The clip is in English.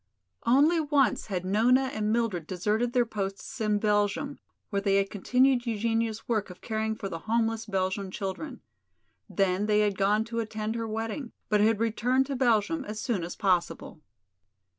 Only once had Nona and Mildred deserted their posts in Belgium, where they had continued Eugenia's work of caring for the homeless Belgian children. Then they had gone to attend her wedding, but had returned to Belgium as soon as possible.